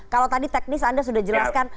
kalau tadi teknis anda sudah jelaskan